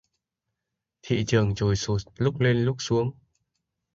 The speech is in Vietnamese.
Thị trường trồi trụt, lúc lên lúc xuống